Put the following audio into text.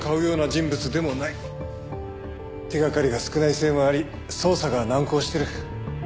手掛かりが少ないせいもあり捜査が難航してる。